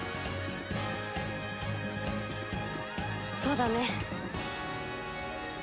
そうだね。